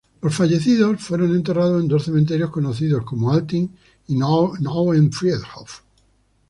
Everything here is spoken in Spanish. Los fallecidos fueron enterrados en dos cementerios conocidos como Alten y Neuen Friedhof.